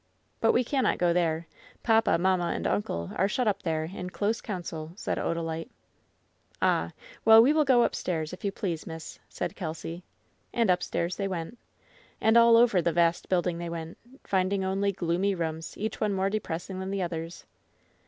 "But we cannot go there. Papa, mamma and unci* are shut up there, in close council," said Odalite. "Ah ! Well, we will go upstairs, if you please, miss," said Kelsy. And upstairs they went. And all over the vast build ing they went, finding only gloomy rooms, each one more depressing than the others.